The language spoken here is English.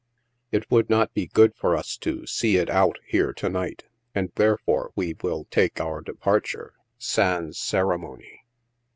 It would not be good for us to " see it out here to night, and, therefore, we will take our departure, sans ceremonic.